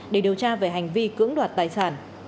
để điều tra về hành vi cưỡng đoạt tài sản